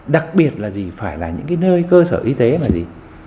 đặc biệt là gì phải là những cái nơi cơ sở y tế là gì